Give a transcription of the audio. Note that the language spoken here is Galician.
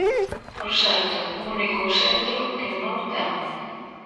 Por certo, o único centro que non ten.